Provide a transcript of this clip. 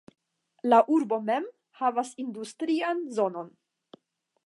La urbo mem havas industrian zonon.